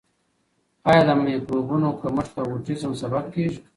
آیا د مایکروبونو کمښت د اوټیزم سبب کیږي؟